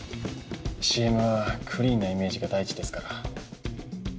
ＣＭはクリーンなイメージが第一ですから。